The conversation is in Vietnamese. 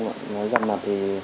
không ạ nói gần mặt thì